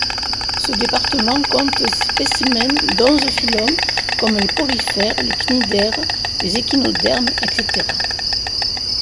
Ce département compte spécimens d’onze phylums comme les porifères, les cnidaires, les échinodermes, etc.